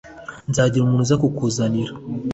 Nzagira umuntu uza kukuzanira